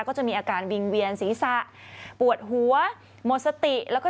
ก็จะมีอาการวิงเวียนศีรษะปวดหัวหมดสติแล้วก็